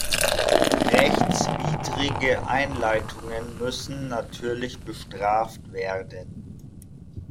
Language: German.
Rechtswidrige Einleitungen müssen natürlich bestraft werden.